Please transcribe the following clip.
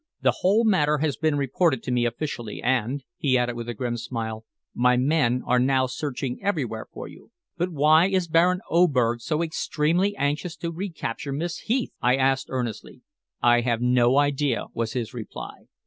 The whole matter has been reported to me officially, and," he added with a grim smile, "my men are now searching everywhere for you." "But why is Baron Oberg so extremely anxious to recapture Miss Heath?" I asked earnestly. "I have no idea," was his reply.